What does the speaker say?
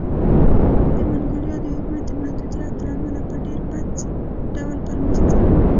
د منګولیا د حکومت د محدودیت له امله په ډېرپڅ ډول پرمخ ځي.